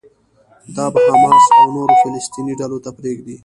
دا به حماس او نورو فلسطيني ډلو ته پرېږدي.